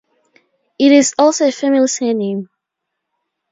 It is also a family surname.